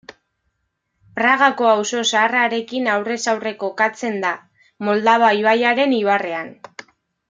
Pragako Auzo Zaharrarekin aurrez-aurre kokatzen da, Moldava ibaiaren ibarrean.